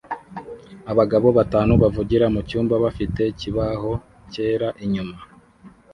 Abagabo batanu bavugira mucyumba bafite ikibaho cyera inyuma